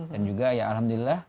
dan juga ya alhamdulillah